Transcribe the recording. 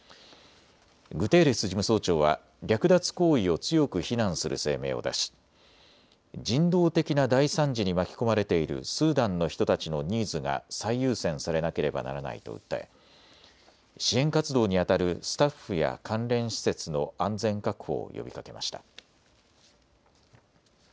グテーレス事務総長は略奪行為を強く非難する声明を出し人道的な大惨事に巻き込まれているスーダンの人たちのニーズが最優先されなければならないと訴え、支援活動にあたるスタッフや関連施設の安全確保を呼びかけました。